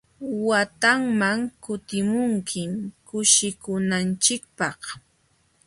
Watanman kutimunkim kushikunanchikpaq.